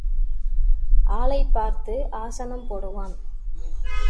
ஆளைப் பார்த்து ஆசனம் போடுவான்.